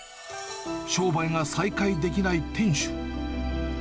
商売が再開できない店主。